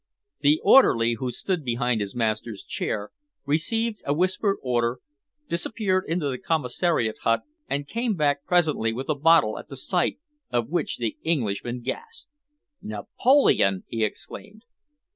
The orderly who stood behind his master's chair, received a whispered order, disappeared into the commissariat hut and came back presently with a bottle at the sight of which the Englishman gasped. "Napoleon!" he exclaimed.